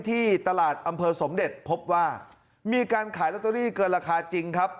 ที่ตลาดอำเภอสมเด็จพบว่ามีการขายลอตเตอรี่เกินราคาจริงครับ